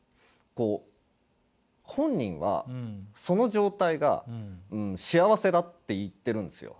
こう本人はその状態が幸せだって言ってるんですよ。